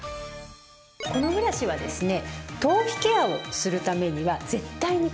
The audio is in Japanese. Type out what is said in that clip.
このブラシはですね